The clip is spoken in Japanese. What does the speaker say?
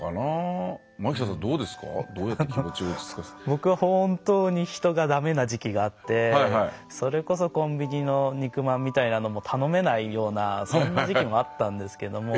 僕は本当に人がだめな時期があってそれこそコンビニの肉まんみたいなのも頼めないようなそんな時期もあったんですけども。